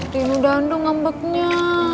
rindu dando ngambeknya